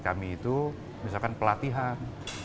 kami itu misalkan pelatihan